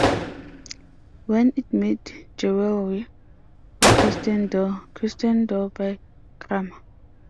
When it made jewelry for Christian Dior, "Christian Dior by Kramer".